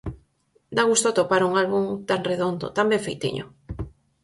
Dá gusto atopar un álbum tan redondo, tan ben feitiño.